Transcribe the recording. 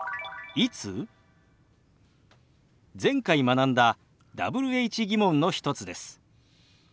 前回学んだＷｈ−疑問の一つです。